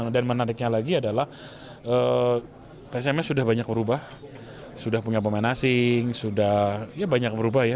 dan menariknya lagi adalah psms sudah banyak berubah sudah punya pemain asing sudah banyak berubah ya